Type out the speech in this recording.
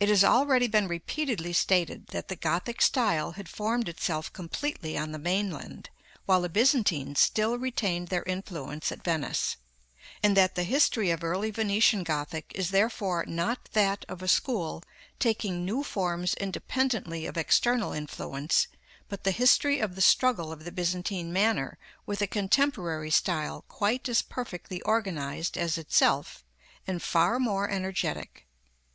It has already been repeatedly stated, that the Gothic style had formed itself completely on the mainland, while the Byzantines still retained their influence at Venice; and that the history of early Venetian Gothic is therefore not that of a school taking new forms independently of external influence, but the history of the struggle of the Byzantine manner with a contemporary style quite as perfectly organized as itself, and far more energetic.